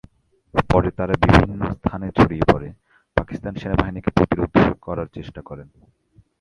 পরে তারা বিভিন্ন স্থানে ছড়িয়ে পড়ে পাকিস্তান সেনাবাহিনীকে প্রতিরোধ করার চেষ্টা করেন।